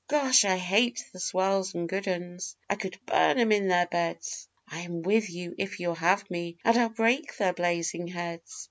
Gosh! I hate the swells and good 'uns I could burn 'em in their beds; I am with you, if you'll have me, and I'll break their blazing heads.